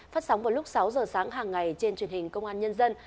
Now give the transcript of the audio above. phát sóng vào lúc sáu giờ sáng hàng ngày trên truyền hình công an nhân dân